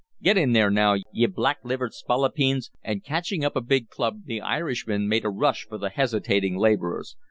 Git in there now, ye black livered spalapeens!" and catching up a big club the Irishman made a rush for the hesitating laborers.